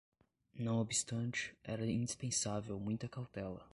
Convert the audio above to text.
Não obstante, era indispensável muita cautela: